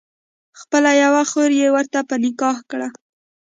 خپله یوه خور یې ورته په نکاح کړه.